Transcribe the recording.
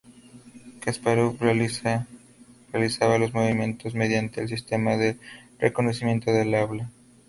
Kaspárov realizaba los movimientos mediante el sistema de reconocimiento del habla.